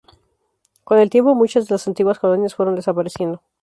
Con el tiempo, muchas de las antiguas colonias fueron desapareciendo.